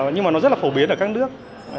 nhưng mà nó rất là phổ biến ở các nước